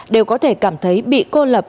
đều có thể cảm thấy bị cô lập